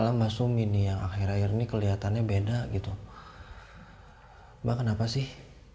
malam mas umi nih yang akhir akhir nih kelihatannya beda gitu mbak kenapa sih